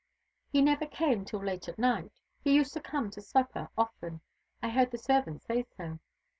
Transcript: "He never came till late at night. He used to come to supper often. I heard the servant say so.